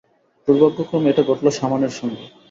দুর্ভাগ্যক্রমে, এটা ঘটল সামানের সঙ্গে।